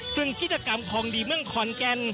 ซึ่งกิจกรรมของดีเมืองขอนแก่น